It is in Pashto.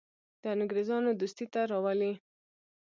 د انګرېزانو دوستي ته راولي.